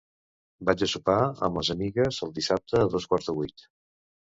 Vaig a sopar amb les amigues el dissabte a dos quarts de vuit.